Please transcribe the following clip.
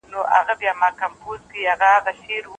هره شېبه بايد وکاروو.